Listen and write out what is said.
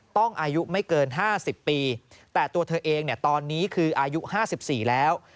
อายุไม่เกิน๕๐ปีแต่ตัวเธอเองเนี่ยตอนนี้คืออายุ๕๔แล้ว